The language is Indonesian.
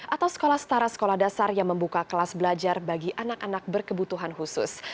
atau sekolah setara sekolah dasar yang membuka kelas belajar bagi anak anak berkebutuhan khusus